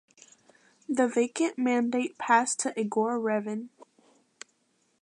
The vacant mandate passed to Igor Revin.